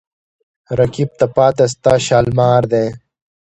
رقیب ته پاته ستا شالمار دی